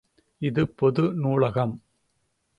இது பொது நூலகம்.